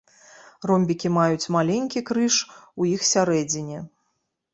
Ромбікі маюць маленькі крыж у іх сярэдзіне.